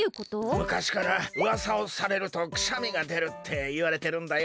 むかしからうわさをされるとくしゃみがでるっていわれてるんだよ。